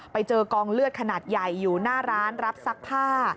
ไปเจอกองเลือดขนาดใหญ่อยู่หน้าร้านรับซักผ้า